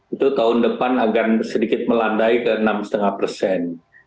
itu tahun depan akan sedikit melandai ke enam lima persen